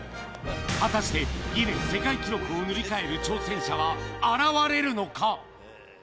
果たしてギネス世界記録を塗り替える挑戦者は現れるのか？